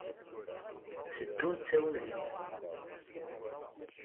Teddunt-awen di nneqma